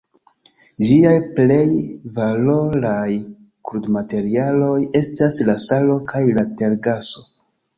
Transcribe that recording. Ĝiaj plej valoraj krudmaterialoj estas la salo kaj la tergaso.